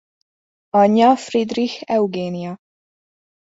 Anyja Friedrich Eugénia.